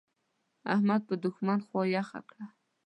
احمد په دوښمن خوا يخه کړه.